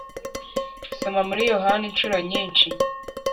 Soma muri Yohana Incuro nyinshi